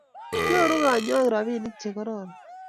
nyoru kanyoik robinik che kororon